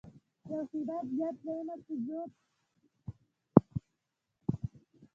یو هېواد زیات ځایونه په زور تصرف کوي